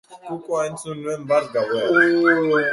Kukua entzun nuen bart gauean.